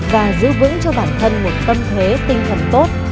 và giữ vững cho bản thân một tâm thế tinh thần tốt